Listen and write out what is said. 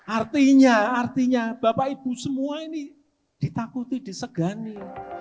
artinya artinya bapak ibu semua ini ditakuti disegani